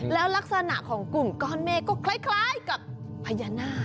แล้วลักษณะของกลุ่มก้อนเมฆก็คล้ายกับพญานาค